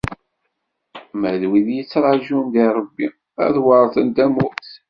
Ma d wid yettraǧun deg Rebbi, ad weṛten tamurt.